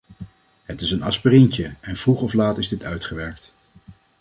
Het is een aspirientje en vroeg of laat is dit uitgewerkt.